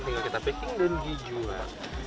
tinggal kita packing dan dijual